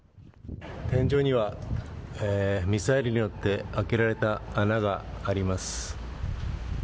天井にはミサイルによって開けられた穴があります。